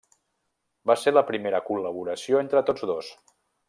Va ser la primera col·laboració entre tots dos.